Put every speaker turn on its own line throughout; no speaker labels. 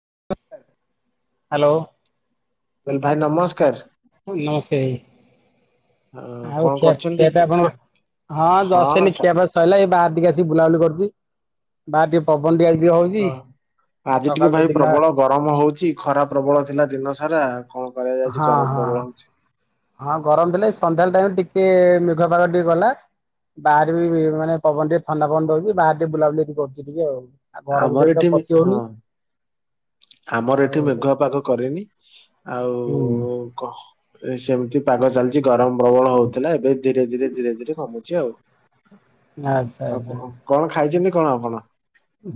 [unintelligible]
Hello
କହିଲି ଭାଇ ନମସ୍କାର
ନମସ୍କାର।
ଅ,
ଆଉ
କଣ
ଖି
କରୁଛନ୍ତି କି?
ଖିଆପିଆ କଣ ହଁ ଯଷ୍ଟ୍ ଏଇନେ ଖିଆପିଆ ସରିଲା ଏଇ ବାହାରେ ଟିକେ ଆସିକି ବୁଲାବୁଲି କରୁଚି ବାହାରେ ଟିକେ ପବନ ଟିକେ ଆଜି ଟିକେ ହଉଛି।
ହ
ଆଉ
ଆଜି ଟିକେ
ସକାଳୁ ତ
ଭାଇ
ଦିନ
ପ୍ରବଳ ଗରମ ହଉଚି ଖରା ପ୍ରବଳ ଥିଲା ଦିନ ସାରା କଣ କରିବା ଯେ ଆଜି
ହଁ
ଗରମ
ହଁ
ପ୍ରବଳ ହଉଛି।
ହଁ ଗରମ ଥିଲେ ସନ୍ଧ୍ୟାବେଳ ଟିକେ ମେଘୁଆ ପାଗ ଟିକେ ଗଲା। ବାହାରେ ବି ମାନେ ପବନ ଟିକେ ଥଣ୍ଡା ପବନ ଦଉଚି ବାହାରେ ଟିକେ ବୁଲାବୁଲି ଟିକେ କରୁଚି ଟିକେ ଆଉ। ଆଉ ଘର
ଆମର
ଭିତରେ ତ
ଏଠି ମେ-
ପଶି
ହଁ
ହଉନି।
ଆମର
ଆଉ
ଏଠି ମେଘୁଆ ପାଗ କରେନି ଆଉ
ହୁଁ
କ ଏ ସେମିତି ପାଗ ଚାଲିଚି ଗରମ ପ୍ରବଳ ହଉଥିଲା ଏ ଏ ଧୀରେ ଧୀରେ ଧୀରେ ଧୀରେ କମୁଚି ଆଉ
ଆଚ୍ଛା
ଆଉ
ଆଚ୍ଛା।
କଣ କଣ ଖାଇଛନ୍ତି? କଣ ଆପଣ?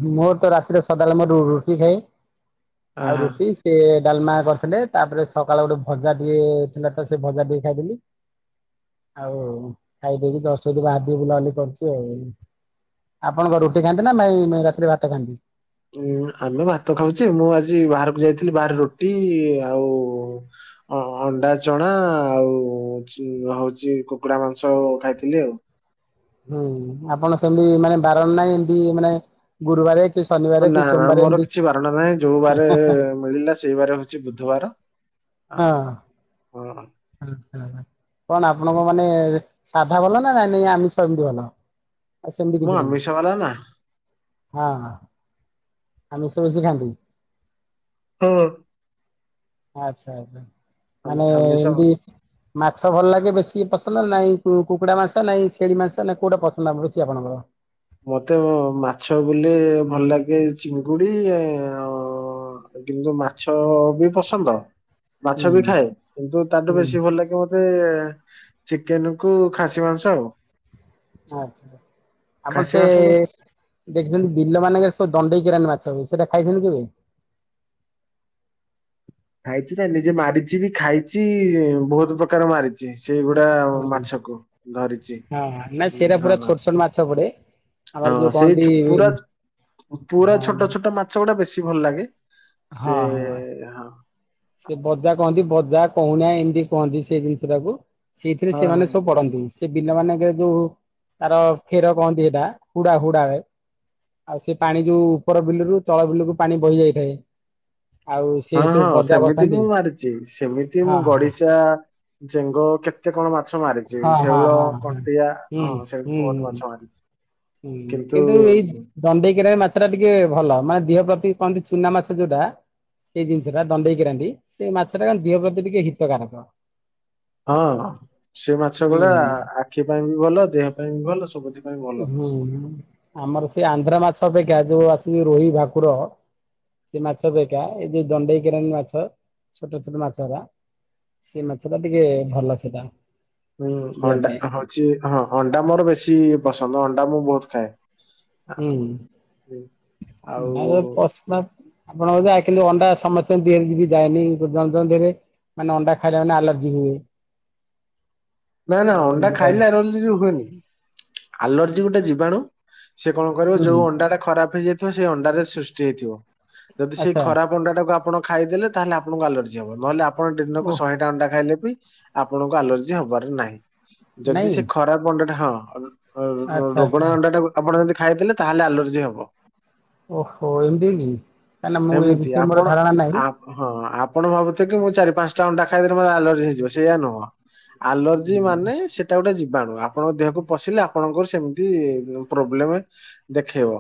ମୋର ତ ରାତିରେ ସଦାବେଳେ ମୋର ରୁଟି ଖାଏ ଆଉ
ଆହା
ରୁଟି ସେ ଡାଲମା କରିଥିଲେ ତାପରେ ସକାଳେ ଗୋଟେ ଭଜା ଟିକେ ଥିଲା ତ ସେ ଭଜା ଟିକେ ଖାଇଦେଲି। ଆଉ ଖାଇଦେଇକି ଜଷ୍ଟ ବାହାରେ ଟିକେ ବୁଲାବୁଲି କରୁଚି ଆଉ। ଆପଣଙ୍କ ରୁଟି ଖାଆନ୍ତି ନା ମାଇ ରାତିରେ ଭାତ ଖାଆନ୍ତି?
ମୁଁ ଖାଲି ଭାତ ଖାଉଚି ମୁଁ ଆଜି ବାହାରକୁ ଯାଇଥିଲି ବାହରେ ରୁଟି ଆଉ ଅ ଅଣ୍ଡା ଚଣା ଆଉ ଚି ହଉଚି କୁକୁଡ଼ା ମାଂସ ଖାଇଥିଲି ଆଉ।
ହୁଁ ଆପଣ ସେମିତି ମାନେ ବାରଣ ନାହିଁ ଏମିତି କି ମାନେ ଗୁରୁବାର
ନା ନା ମୋର କିଛି ବାରଣ ନାହିଁ ଯୋଉ ବାର ମିଳିଲା ସେଇ ବାରେ ହଉଚି ବୁଧବାର।
ହଁ।
ହଁ
[unintelligible] କଣ ଆପଣଙ୍କ ମାନେ ସାଧା ଭଲ ନା ନାଇ ନାଇ ଆମିଷ ଏମିତି ଭଲ? ଆଉ ସେମିତି କିଛି
ମୁଁ
ନାହିଁ
ଆମିିଷ ବାଲା ନା।
ହଁ ଆମିସ ବେସି ଖାଆନ୍ତି।
ହଁ।
ଆଛା ଆଛା
ଆମି
ମାନେ
ଆମିଷ
ଏମିତି ମାଛ ଭଲ ଲାଗେ ବେଶୀ ପସନ୍ଦ ନାଇଁ କୁକୁଡ଼ା ମାସ ନାଇଁ ଛେଳି ମାସ ନାାଇଁ କୋଉଟା ପସନ୍ଦ ଆ ପୁଛି ଆପଣଙ୍କର?
ମତେ ମାଛ ବୋଲେ ଭଲ ଲାଗେ ଚିଙ୍ଗୁଡି ଆଉ କିନ୍ତୁ ମାଛ ବି ପସନ୍ଦ
ହୁଁ
ମାଛ ବି ଖାଏ କିନ୍ତୁ ତାଠୁ
ହୁଁ
ବେଶୀ ଭଲ ଲାଗେ ମତେ ଚିକେନ କୁ ଖାସି ମାଂସ ଆଉ।
ଆଛା ଆପଣ
ଖାସି
ସେ
ମାଂସ କ
ଦେଖିଛନ୍ତି ବିଲ ମାନଙ୍କରେ ଦଣ୍ଡେଇ କିରାଣୀ ମାଛ ସେଟା ଖାଇନ କେବେ
ଖାଇଛି ନା ନିଜେ ମାରିଛି ବି ଖାଇଛି ବହୁତ ପ୍ରକାର ମାରିଛି। ସେଇଗୁଡା
ହୁଁ
ମାଛକୁ ଧରିଛି
ହଁ ନାଇଁ
ହଁ
ସେଇଟା ପୁରା
ହଁ।
ଛୋଟ ଛୋଟ ମାଛ ପଡେ। ଆମର
ହଁ
ଯୋଉ
ସେଇ
କହନ୍ତି
ପୁରା ପୁରା
ହଁ
ଛୋଟ ଛୋଟ ମାଛ ଗୁଡା ବେଶୀ ଭଲ ଲାଗେ। ସେ
ହଁ ହଁ
ହଁ
ସେ ବଜା କହନ୍ତି। ଯାହା କହୁନା ଏମିତି କୁହନ୍ତି ସେଇ ଜିନିଷ ଟାକୁ ସେଇଥିରେ
ହଁ
ସେମାନେ ସବୁ ପଢନ୍ତି। ସେ ବିଲ ମାନଙ୍କ ଯୋଉ ତାର କ୍ଷେର କହନ୍ତି ସେଟା ହୁଡା ହୁଡାରେ ଆଉ ସେ ପାଣି ଯୋଉ ଉପର ବିଲରୁ ଚଳ ବିଲକୁ ପାଣି ବହି ଯାଇଥାଏ। ଆଉ ସେ
ହଁ
ସବୁ
ହଁ
ବଜା
ସେମିତି ବି
ବସାନ୍ତି
ମୁଁ ମାରିଛି ସେମିତି ମୁଁ
ହଁ ହଁ
ଗଡିଶା ଜେଙ୍ଗ କେତେ କଣ ବା? ମାଛ ମାରିଛି
ହଁ ହଁ
ଶେଉଳ
ହଁ ହଁ।
କଣ୍ଟିଆ
ହୁଁ
ହଁ ସେଉ
ହୁଁ ହୁଁ
ବହୁତ ମାଛ ମାରିଛି।
ହୁଁ କିନ୍ତୁ ଏଇ ଦଣ୍ଡେଇ ମାଛ ଟା ଟିକେ ଭଲ ମାନେ ଦେହ ପ୍ରତି କଣନ୍ତି ଚୁନା ମାଛ ଯୋଉଟା ସେଇ ଜିନିଷ ଟା ଦଣ୍ଡେଇକି ରାନ୍ତି ସେଇ ମାଛ ଟା କ ଦେିହ ପ୍ରତି ଟିକେ ହିତକାରକ।
ହଁ ସେ ମାଛ
ହୁଁ
ଗୁଡା ଆଖି ପାଇଁ ବି ଭଲ ଦେହ ପାଇଁ ବି ଭଲ ସବୁଥି ପାଇଁ ଭଲ।
ହୁଁ ଆମର ସେ ଆନ୍ଧ୍ରା ମାଛ ଅପେକ୍ଷା ଯୋଉ ଆସିବି ରୋହି ଭାକୁର ସେ ମାଛ ବା ଦଣ୍ଡେଇ କିରଣ ମାଛ ଛୋଟ ଛୋଟ ମାଛରା ସେ ମାଛ ଟା ଟିକେ ଭଲ ସେଟା।
ହୁଁ
ଦେହ ପାଇଁ।
ଅଣ୍ଡା ହଉଛି ହଁ ଅଣ୍ଡା ମୋର ବେଶୀ ପସନ୍ଦ ଅଣ୍ଡା ମୁଁ ବହୁତ ଖାଏ। ହୁଁ। ଆଉ
ଆପଣଙ୍କ କିନ୍ତୁ ଅଣ୍ଡା ସମ ରେ ଯ ଯାଏନିରେ ମାନେ ଅଣ୍ଡା ଖାଇଲା ମାନେ ଆଲର୍ଜି ହୁଏ।
ନା ନା
ଆଉ
ଅଣ୍ଡା
ଏମିତି
ଖାଇଲେ ଆ ର ହୁଏନି ଆଲର୍ଜି ଗୋଟେ ଜୀବାଣୁ ସେ କଣ କରିବ
ହୁଁ
ଯୋଉ ଅଣ୍ଡା ଟା ଖରାପ ହେଇଯାଇଥିବ ସେଇ ଅଣ୍ଡାରେ ସୃଷ୍ଟି ହେଇଥିବ। ଯଦି ସେଇ
ଆଚ୍ଛା
ଖରା ଅଣ୍ଡା ଟାକୁ ଆପଣ ଖାଇଦେଲେ ତାହେଲେ ଆପଣଙ୍କୁ ଆଲର୍ଜି ହବ ନହେଲେ ଆପଣ ଦିନକୁ
ଓହ
ଶହେଟା ଅଣ୍ଡା ଖାଇଲେ ବି ଆପଣଙ୍କୁ ଆଲର୍ଜି ହବାର ନାହିଁ। ଯଦି
ନାଇଁ
ସେ ଖରାପ ଅଣ୍ଡାଟା ହଁ
ଆଚ୍ଛା ଆଚ୍ଛା
ରୋଗଣା ଅଣ୍ଡା ଟା ଆପଣ ଦି ଖାଇଦେଲେ ତାହେଲେ ଆଲର୍ଜି ହବ।
ଓହୋ ଏମିତି କି କାହିଁକିନା ମୁଁ ଏ
ଏମିତି
ବିଷୟରେ ମୋର
ଆପଣ
ଧାରଣା ନାହିଁ।
ଆପ୍ ହଁ ଅଁ ଆପ ଆପଣ ଭାବୁଥିବେ କି ମୁଁ ଚାରି ପାଞ୍ଚଟା ଅଣ୍ଡା ଖାଇଦେଲେ ମେ ଆଲର୍ଜି ହେଇଯିବ ସେଇଆ ନୁହଁ। ଆଲର୍ଜି ମାନେ ସେଇଟା ଗୋଟେ ବାଣୁ ଆପଣଙ୍କ ଦେହକୁ ପଶିଲେ ଆପଣଙ୍କର ସେମତି ପ୍ରୋବ୍ଲେମ୍ ଦେଖେଇବ।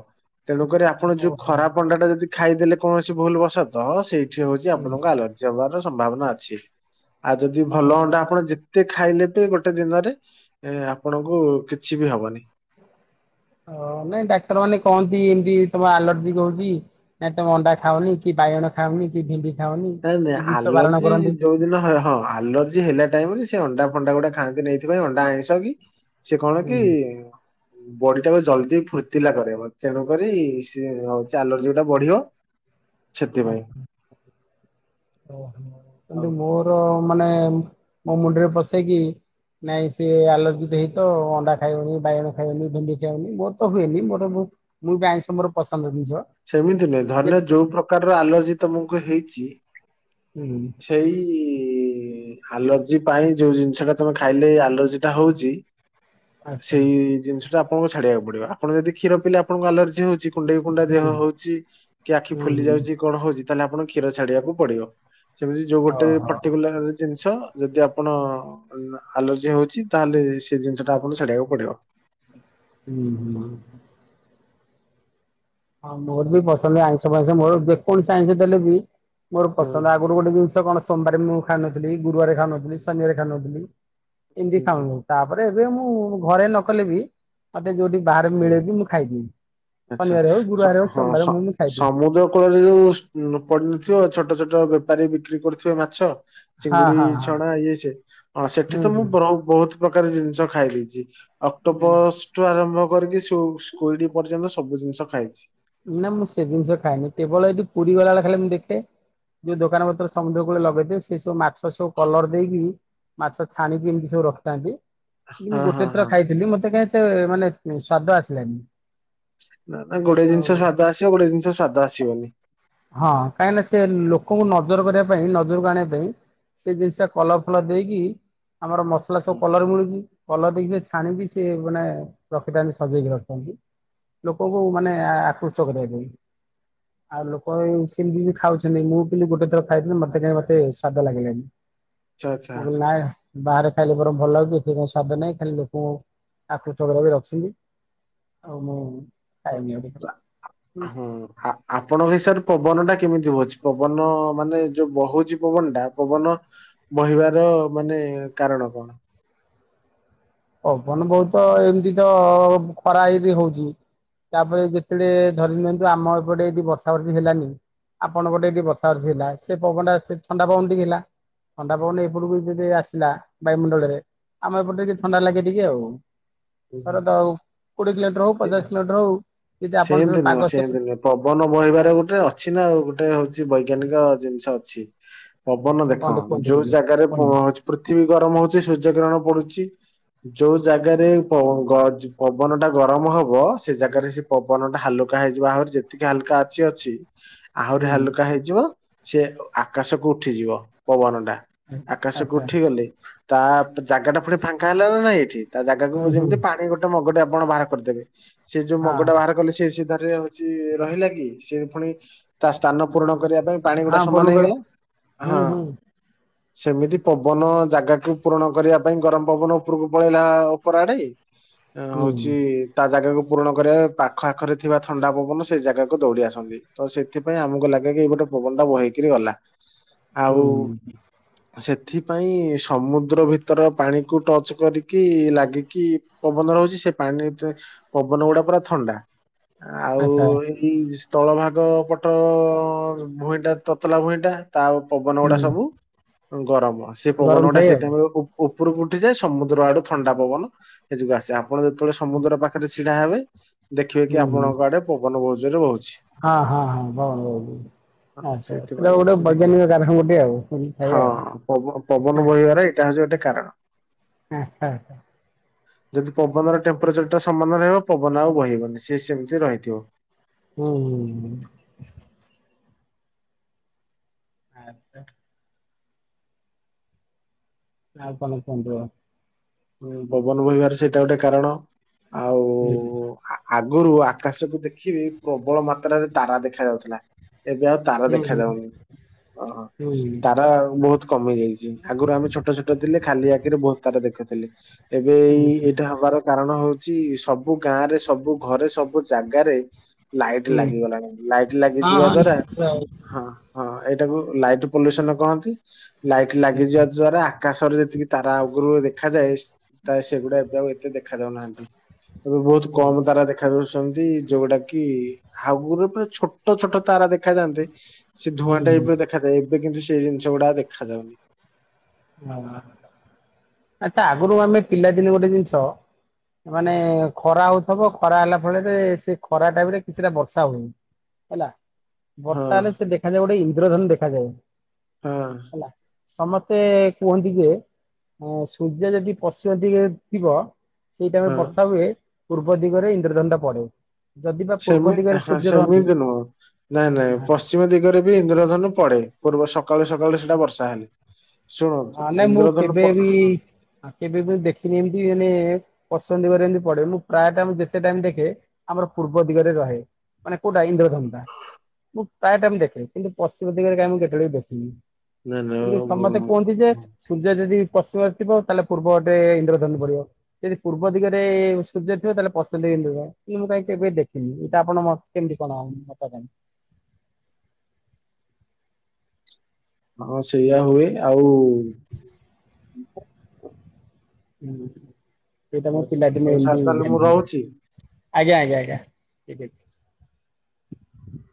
ତେଣୁକରି ଆପଣ ଯୋଉ
ଓହୋ
ଖରାପ ଅଣ୍ଡା ଟା ଯଦି ଖାଇଦେଲେ କୌଣସି ଭୁଲ ବସତ ସେଇ ଠି ହଉଚି
ହୁଁ
ଆପଣଙ୍କ ଆଲର୍ଜି ହବାର ସମ୍ଭାବନା ଅଛି ଆଉ ଯଦି ଭଲ ଅଣ୍ଡା ଆପଣ ଯେ ଟିକେ ଖାଇଲେ ତି ଗୋଟେ ଦିନରେ ଆପଣଙ୍କୁ କିଛି ବି ହବନି।
ହଅ ନାଇଁ ଡାକ୍ତର ମାନେ କହନ୍ତି ଏମତି ତମ ଆଲର୍ଜିିକ ହଉଚି ନାଇଁ ତମେ ଅଣ୍ଡା ଖାଉନି କି ବାଇଗଣ ଖାଅନି କି ଭି
ନାଇଁ ନାଇଁ ଆଲର୍ଜି ଯୋଉ ଦିନ ହଁ ଆଲର୍ଜି ହେଲା ଟାଇମରେ ସେ ଅଣ୍ଡା ଫଣ୍ଡା ଗୁଟା ଖାଆନ୍ତିନି ଏଇଥିପାଇଁ ଅଣ୍ଡା ଅଇଁଶ କି ସିଏ କଣ କି?
ହୁଁ
ବଡି ଟାକୁ ଜଲଦି ଫୁର୍ତିଲା କରୋଇବ ତେଣୁକରି ସ୍ -ହଉ ଆଲର୍ଜିଟା ବଢିବ। ସେଥିପାଇଁ।
ଆଚ୍ଛା ଓହୋ
ଆଉ
କିନ୍ତୁ ମୋର ମାନେ ମୋ ମୁଣ୍ଡରେ ପଶେ କି ନାଇଁ ସିଏ ଆଲର୍ଜିି ଦେଇ ତ ଅଣ୍ଡା ଖାଇବନି, ବାଇଗଣ ଖାଇବନି, ଭିଣ୍ଡି ଖାଇବନି, ମୋର ତ ହୁଏନି ବଟ୍ ମୁଁ ମୁଁ ବି ଆାଇଁଷ ମୋର ପସନ୍ଦ। ଜିନିଷ
ସେମିତି ନୁହେଁ
ଯେ
ଧରିନେ ଯୋଉ ପ୍ରକାରର ଆଲର୍ଜି ତମକୁ ହେଇଚି
ହୁଁ
ସେଇ ଇ ଆଲର୍ଜି ପାଇଁ ଯୋଉ ଜିନିଷ ଟା ତମେ ଖାଇଲେ ଆଲର୍ଜି ଟା ହଉଚି।
ଆଚ୍ଛା
ସେଇ ଜିନିଷଟା ଆପଣଙ୍କୁ ଛାଡିବାକୁ ପଡିବ। ଆପଣ ଯଦି କ୍ଷୀର ପିଇଲେ ଆପଣଙ୍କୁ ଆଲର୍ଜି ହଉଚି କୁଣ୍ଡେଇ କୁଣ୍ଡା ଦେହ
ହୁଁ
ହଉଚି, କି ଆଖି ଫୁଲି
ହୁଁ
ଯାଉଚି କଣ ହଉଚି ତାହେଲେ ଆପଣଙ୍କୁ କ୍ଷୀର ଛାଡିଆକୁ ପଡିବ। ସେମିତି ଯୋଉ ଗୋଟେ
ଓହୋ
ପର୍ଟିକୁଲାର ଜିନଷ ଯଦି ଆପଣ ଆଳ ଆଲର୍ଜି ହଉଚି ତାହେଲେ ସେ ଜିନିଷ ଟା ଆପଣଙ୍କୁ ଛଡିବାକୁ ପଡିବ।
ହୁଁ ହୁଁ। ହଁ ମୋର ବି ପସନ୍ଦ ଆଇଁଷଫାଇଁସ ମୋର ଯେକୌଣସି ଆଇଁଷ ଦେଲେ ବି ମୋର
ହୁଁ
ପସନ୍ଦ ଆଗରୁ ଗୋଟେ ଜିନିଷ କଣ ସୋମବାରେ ମୁଁ ଖାଉ ନଥିଲି ଗୁରୁବାରେ ଖାଉ ନଥିଲି ସନିବାରେ ଖାଉ ନଥିଲି। ଏନ୍ତି
ହୁଁ
ଖାଉନି ତାପରେ ଏବେ ମୁଁ ଘରେ ନ କଲେ ବି ମତେ ଯୋଉଠି ବାହାରେ
ହୁଁ।
ମିଳେ ବି ମୁଁ ଖାଇଦେବି ଶନିବାରେ ହଉ
ଶ
ଗୁରୁବାର ହଉ
ହଁ
ସୋମବାର
ଶ୍
ମୁଁ ମୁଁ ଖାଇଦିଏ
ସମୁଦ୍ର କୂଳରେ ଯୋଉ ଶ୍ ପଡିନଥିବ ଛୋଟ ଛୋଟ ଟଅ ବେପାରୀ ବିକ୍ରି କରୁଥିବେ ମାଛ
ହଁ ହଁ
ଚିଙ୍ଗୁଡିଇ
ହଁ
ଛଣା ଇଏସିଏ ହିଁ ସେଠି
ହୁଁ
ତ ମୁଁ
ହୁଁ।
ବ୍ର ବହୁତ। ପ୍ରକାର ଜିନିଷ ଖାଇ ଦେଇଚି
ହୁଁ।
ଅକ୍ଟୋପସ୍ ଠୁ ଆରମ୍ଭ କରିକି ସ୍କୁ ସ୍କୁଇଡି ପର୍ଯ୍ୟନ୍ତ ସବୁ ଜିନିଷ ଖାଇଚି।
ନାଁ ମୁଁ ସେ ଜିନିଷ ଖାଏନି କେବଳ ଏଇଠି ପୁରୀ ଗଲାବେଳେ ଖାଲି ମୁଁ ଦେଖେ ଯୋଉ ଦୋକାନ ପତ୍ର ସମୁଦ୍ର କୂଳେ ଲଗେଇଥିଲେ ସେ ସବୁ ମାଛ ସବୁ କଲର ଦେଇକି ମାଛ ଛାଣିକି ଏମତି ସବୁ ରଖିଥାନ୍ତି। ମୁଁ
ହଁ ହଁ
ଗୋଟେ ଥର
ହଁ
ଖାଇଥିଲି ମତେ କାଇଁ ଏତେ ମାନେ ସ୍ଵାଦ ଆସିଲାନି।
ନା ନା ଗୋଟେ
ଆଉ
ଜିନିଷ ସ୍ୱାଦ ଆସିବ ଗୋଟେ ଜିନିଷ ସ୍ୱାଦ ଆସିବନି।
ହଁ କାହିଁକି ନା ସେ ଲୋକଙ୍କୁ ନଜର କରିବା ପାଇଁ ନଜରକୁ ଆଣିବା ପାଇଁ ସେ ଜିନିଷ ଟା କଲର ଫଲର ଦେଇକି ଆମର ମସଲା ସବୁ
ହୁଁ।
କଲର ମିଳୁଚି କଲର ଦେଇକି ଛାଣିକି ସିଏ ମାନେ ରଖିଥାନ୍ତି ସଜେଇକି ରଖିଥାନ୍ତି।
[unintelligible]
ଲୋକଙ୍କୁ ମାନେ ଆ ଆକୃଷ୍ଟ କରିବା ପାଇଁ। ଆଉ ଲୋକବି ସେମତି ବି ଖାଉଛନ୍ତି ମୁଁ ବିଲି ଗୋଟେ ଥର ଖାଇଥିଲି ମତେ କାଇଁ ମତେ ସ୍ଵାଦ ଲାଗିଲାନି।
ଆଚ୍ଛା ଆଚ୍ଛା
ମୁଁ କଇଲି ନାଇଁ ବାହାରେ ଖାଇଲେ ବରଂ ଭଲ ଲାଗୁଚି ଏଠି କଣ ସ୍ୱାଦ ନାଇଁ ଖାଲି ଲୋକଙ୍କୁ ଆକୁର୍ଷ୍ଟ କରିଆ ପାଇଁ ରଖଛନ୍ତି। ଆଉ ମୁଁ
[unintelligible] ହୁଁ ଆ ଆପଣଙ୍କ ହିସାବରେ ପବନ ଟା କେମିତି ହୋଉଚି ପବନ ପବନ ମାନେ ଯୋଉ ବହୁଚି ପବନ ଟା ପବନ ବହିବାରଅ ମାନେ କାରଣ କଅଁ? କଣ?
ପବନ ବହୁତ ଏମତି ତ ଖରା ହେଇଟି ହୋଉଚି। ତାପରେ ଯେତେବେଳେ ଧରି ନିଅନ୍ତୁ ଆମ ଏପଟେ ଏଦି ବର୍ଷା ବର୍ଷୀ ହେଲାନି ଆପଣଙ୍କୋ ଟେ ଟିକେ ବର୍ଷ ଅର୍ଛି ହେଲା ସେ ପବନ ଟା ସେ ଥଣ୍ଡା ପବନ ଟିକେ ହେଲା। ଥଣ୍ଡାପବନ ଏପଟକୁ ଯଦି ଆସିଲା ବାୟୁମଣ୍ଡଳରେ ଆମେ ଏପଟେ ଥଣ୍ଡା ଲାଗେ ଟିକେ ଆଉ ଥର ତଉ କୋଡିଏ କିଲୋମିଟର ହଉ ପଚାଶ କିଲୋମିଟର ହଉ ଯଦି ଆପଣ ସବୁ
ସେମତି ନୁହଁ
ପାଗ ସେ
ସେମିତି ନୁହଁ ପବନ ବହିବାରେ ଗୋଟେ ଅଛି ନା ଆଉ ଗୋଟେ ହଉଛି ବୈଜ୍ଞାନିକ ଜିନିଷ ଅଛି। ପବନ ଦେଖ
କଣ କୁହନ୍ତୁ
ଯୋଉ
ଟିକେ
ଜାଗାରେ
କୁହନ୍ତୁ
ପୃଥିବୀ ଗରମ ହଉଛି ସୂର୍ଯ୍ୟ ଗିରଣ ପଡୁଛି। ଯୋଉ ଜାଗାରେ ପବନ ଟା ଗରମ ହବ ସେ ଜାଗାରେ ସେ ପବନ ଟା ହାଲୁକା ହେଇଯିବ ଆହୁରି ଯେତିକି ହାଲୁକା ଅଛି ଅଛି ଆହୁରି
ହୁଁ
ହାଲୁକା ହେଇଯିବ। ସେ ଆକାଶକୁ ଉଠିଯିବ ପବନ ଟା ଆକାଶକୁ
ଆଚ୍ଛା
ଉଠିଗଲେ ତା ଜାଗା ଟା ପୁଣି ଫାଙ୍କା ହେଲା ନା ନାଇଁ ଏଠି ତା ଜାଗାକୁ
ହୁଁ ହୁଁ
ଯେମିତି ପାଣି ଗୋଟେ ମଗଟେ ଆପଣ ବାହାର କରିଦେବେ
ହଁ
ଟା ବାହାର କଲେ ସେ ସିଧରେ ହଉଛି ରହିଲା କି ସେ ପୁଣି ତା ସ୍ଥାନ ପୂରଣ କରିବା ପାଇଁ ପାଣି ଗୋଟେ
ହଁ
ସମାନ
ବଲୁ
ହେଇଗଲା
ହୁଁ
ହଁ।
ହୁଁ
ସେମିତି ପବନ ଜାଗାକୁୁ ପୂରଣ କରିବା ପାଇଁ ଗରମ ପବନ ଉପରକୁ ପଳେଇଲା ଅପରା ଆଡେ
ହୁଁ
ହୋଉଛି ତା ଜାଗାକୁ ପୂରଣ କରିବା ପାଖ ଆଖରେ ଥିବା ଥଣ୍ଡା ପବନ ସେ ଜାଗାକୁ ଦୌଡି ଆସନ୍ତି ତ ସେଥିପାଇଁ ଆମକୁ ଲାଗେ କି ଏଇ ଗୋଟେ ପବନ ଟା ବୋଇକ କିରି ଗଲା ଆଉ
ହୁଁ
ସେ ଏଥିପାଇଁ ସମୁଦ୍ର ଭିତର ପାଣିକୁ ଟଚ କରିକି ଲାଗିକି ପବନ ରହୁଛି। ସେ ପାଣି ପବନ ଗୁଡା ପୁରା ଥଣ୍ଡା ଆଉ
ଆଚ୍ଛା
ଏଇ ସ୍ଥଳଭାଗ ପଟ ଭୂଇଁଟା ତତଲା ଭୁଇଁଟା ତା ପବନ ଗୁଡା
ହୁଁ
ସବୁ ଗରମ ସେ ପବନ
ଗରମ
ଗୁଡା
ଥାଏ ଆଉ
ସେଇଟମ ଉପରକୁ ଉଠିଯାଏ ସମୁଦ୍ର ଆଡୁ ଥଣ୍ଡା ପବନ ଏକୁ ଆସେ ଆପଣ ଯେତେବେଳେ ସମୁଦ୍ର ପାଖରେ ଛିଡା ହେବେ ଦେଖିବେ କି
ହୁଁ ହୁଁ
ଆପଣଙ୍କ ଆଡେ ପବନ ବହ ଜୋରେ ବହୁଛି।
ହଁ ହଁ ହଁ ହଉ ହଉ।
ହଁ ସେଥିପାଇଁ
ଗୋଟେ ଆଉ ଖାଇ
ହଁ
ଆଉ
ପ ପବନ ବହିବାରେ ଏଇଟା ହଉଛି ଗୋଟେ କାରଣ।
ଆଛା ଆଛା।
ଯଦି ପବନର ଟେମ୍ପରେଚରଟା ସମାନ ରହିବ ପବନ ଆଉ ବହିବନି ସେ ସେମିତି ରହିଥିବ।
ହୁଁ ହୁଁ। ଆଛା। ଆଉ କଣ [unintelligible]
ପବନ ବହିବାର ସେଇଟା ଗୋଟେ କାରଣ ଆଉ
ହୁଁ
ଗୋରୁ ଆକାଶକୁ ଦେଖିବେ ପ୍ରବଳ ମାତ୍ରାରେ ତାରା ଦେଖା ଯାଉଥିଲା। ଏବେ ଆଉ ତାର
ହୁଁ
ଦେଖାାଯାଉନି। ଓହ
ହୁଁ ହୁଁ
ତାରା ବହୁତ କମି ଯାଇଛି, ଆଗରୁ ଆମେ ଛୋଟ ଛୋଟ ଥିଲେ ଖାଲି ଆଖିରେ ବହୁତ ତାରା ଦେଖେ। ଏବେ ଏଇ ଏଇଟା ହବାର କାରଣ ହଉଛି ସବୁ ଗାଁ ରେ ସବୁ ଘରେ ସବୁ ଜାଗାରେ ଲାଇଟ
ହୁଁ
ଲାଗିଗଲାଣି ଲାଇଟ
ହଁ
ଲାଗିଯିବା
ହଁ
ଦ୍ଵାରା
ନିଶ୍ଚିତ ଆଉ
ହଁ ହଁ। ଏଇଟାକୁ ଲାଇଟ ପଲ୍ୟୁସନ କହନ୍ତି। ଲାଇଟ୍
ହୁଁ
ଲାଗିଯିବା ଦ୍ଵାରା ଆକାଶରେ ଯେତିକି ତାରା ଅଗରୁ ଦେଖ ଦେଖାଯାଏ ତା ସେଗୁଡା ଏବେ ଆଉ ଏତେ ଦେଖା ଯାଉନାହାନ୍ତି। ଏବେ ବହୁତ କମ ତାରା ଦେଖାଯାଉଛନ୍ତି। ଯୋଉଟା କି ଆଗରେ ପୁରା ଛୋଟ ଛୋଟ ତାରା ଦେଖାାଯାଆନ୍ତେ। ସେ ଧୂଆଁଟା ଏବେ ଦେଖାଯାଏ ଏବେ କିନ୍ତୁ ସେଇ ଜିନିଷ ଗୁଡା ଦେଖାାଯାଉନି।
ଆଛା ଆଗରୁ ଆମେ ପିଲାଦିନ ଗୋଟେ ଜିନିଷ ମାନେ ଖରା ହଉଛି ସବ ଖରା ହେଲା ଫଳରେ ସେ ଖରା ଟାଇମରେ କିଛିଟା ବର୍ଷା ହୁଏ, ହେଲା
ହଁ
ବର୍ଷା ହେଲେ ସେ ଦେଖାଯାଏ ଗୋଟେ ଇନ୍ଦ୍ରଧନୁ ଦେଖାଯାଏ।
ହଁ।
ହେଲା ସମସ୍ତେ କୁହନ୍ତି ଯେ ସୂର୍ଯ୍ୟ ଯଦି ପଶ୍ଚିମଦିଗରେ ଥିବ
ହଁ
ସେଇଟାଇମରେ ବର୍ଷା ହୁଏ ପୂର୍ବଦିଗରେ ଇନ୍ଦ୍ରଧନଟା ପଡେ। ଯଦି ବା ପୂର୍ବ
ସେମତି
ଦିଗରେ
ହ
ସୂର୍ଯ୍ୟ ରହନ୍ତି
ସେମିତି ନୁହଁ। ନାଇଁ ନାଇଁ ପଶ୍ଚିମ ଦିଗରେ ବି ଇନ୍ଦ୍ରଧନୁ ପଡେ ପୂର୍ବ ସକାଳୁ ସକାଳୁ ସେଟା ବର୍ଷା ହେଲେ। ଶୁଣନ୍ତୁ
ହଁ ନାଇଁ ମୁଁ
ଇନ୍ଦ୍ରଧନୁ ପ-
କେବେବ
ହଁ,
କେବେ ବି ଦେଖିନି ଏମତି ମେ ପଶ୍ଚିମ ଦିଗରେ ଏମିତି ପଡେ ମୁଁ ପ୍ରାୟ ଟମ ଯେତେ ଟାଇମ ଦେଖେ ଆମର ପୂର୍ବ ଦିଗରେ ରହେ। ମାନେ କୋଉଟା ଇନ୍ଦ୍ରଧନୁଟା ମୁଁ ପ୍ରାୟ ଟାଇମ ଦେଖେ କିନ୍ତୁ ପଶ୍ଚିମ ଦିଗରେ କାଁଇ ମୁଁ କେତେବେଳେ ବି ଦେଖିନି। କିନ୍ତୁ ସମସ୍ତେ
[unintelligible]
କୁହନ୍ତି ଯେ ସୂର୍ଯ୍ୟ ଯଦି ପଶ୍ଚିମ ଥିବ ତାହେଲେ ପୂର୍ବ ପଟେ ଇନ୍ଦ୍ରଧନୁ ପଡିବ ଯଦି ପୂର୍ବ ଦିଗରେ ସୂର୍ଯ୍ୟ ଥିବ ତାହେଲେ ପଶ୍ଚିମ ଦିଗ ଇ ମୁଁ କାଇଁ କେବେ ଦେଖିନି ଏଇଟା ଆପଣ ମ କେମିତି କଣନ ମ କ
[inaudible] ହଁ ସେଇଆ ହୁଏ ଆଉ
ହୁଁ ସେଇଟା ମୋ ପିଲାଦିନେ
ହଉ ସାର୍
ଏମିତି
ତାହେଲେ ମୁଁ
ଜାଣିଛି।
ରହୁଛି
ଆଜ୍ଞା ଆଜ୍ଞା ଆଜ୍ଞା ଠିକ ଅଛି।